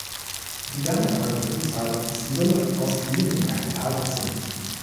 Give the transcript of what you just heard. Die dann erfolgende Rückzahlung ist die Summe aus geliehenem Kapital und Zins.